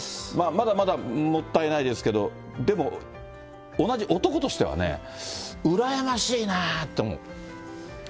まだまだ、もったいないですけど、でも同じ男としてはね、羨ましいなって思う。